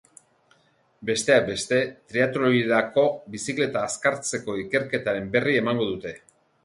Besteak beste, triatloirako bizikleta azkartzeko ikerketaren berri emango dute.